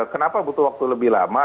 kenapa butuh waktu lebih lama